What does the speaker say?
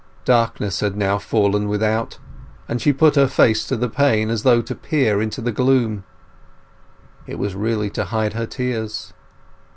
Darkness had now fallen without, but she put her face to the pane as though to peer into the gloom. It was really to hide her tears.